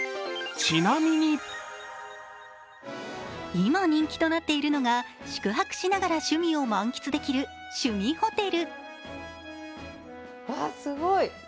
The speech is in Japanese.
今、人気となっているのが宿泊しながら趣味を満喫できる趣味ホテル。